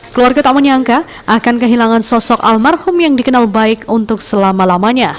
keluarga tak menyangka akan kehilangan sosok almarhum yang dikenal baik untuk selama lamanya